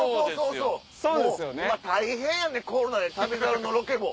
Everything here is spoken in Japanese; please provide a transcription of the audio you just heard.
今大変やねんコロナで『旅猿』のロケも。